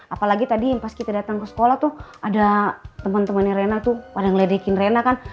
apalagi tadi pas kita datang ke sekolah tuh ada temen temennya raina tuh pada ngeledekin raina kan